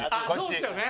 そうですよね。